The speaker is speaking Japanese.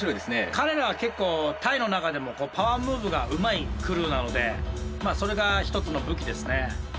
彼らは結構タイの中でもパワームーブがうまいクルーなのでそれが一つの武器ですね。